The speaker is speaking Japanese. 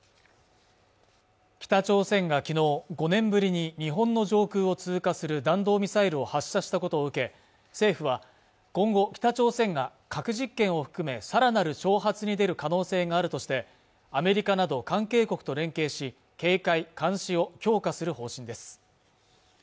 北朝鮮がきのう５年ぶりに日本の上空を通過する弾道ミサイルを発射したことを受け政府は今後北朝鮮が核実験を含むさらなる挑発に出る可能性があるとしてアメリカなど関係国と連携し警戒・監視を強化する方針です